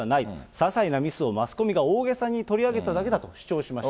ささいなミスをマスコミが大げさに取り上げただけだと主張しまし